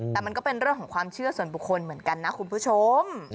แต่มันก็เป็นเรื่องของความเชื่อส่วนบุคคลเหมือนกันนะคุณผู้ชม